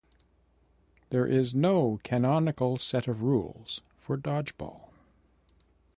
There is no one canonical set of rules for dodgeball.